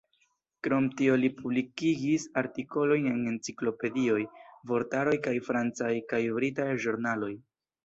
Krom tio li publikigis artikolojn en enciklopedioj, vortaroj kaj francaj kaj britaj ĵurnaloj.